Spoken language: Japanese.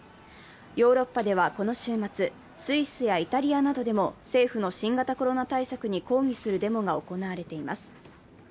ヨーロッパではこの週末、スイスやイタリアなどでも政府の新型コロナ対策に抗議するデモが行われています。